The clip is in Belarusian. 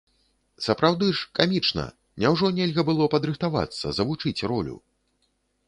Сапраўды ж, камічна, няўжо нельга было падрыхтавацца, завучыць ролю?